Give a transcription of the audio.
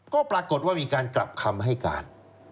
ก็ปรากฏว่ามีการกลับคำให้การ